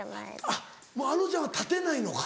あっもうあのちゃんは立てないのか。